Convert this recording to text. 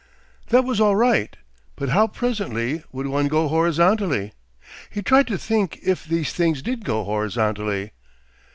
That was all right, but how presently would one go horizontally? He tried to think if these things did go horizontally.